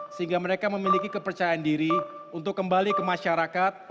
sehingga mereka memiliki kepercayaan diri untuk kembali ke masyarakat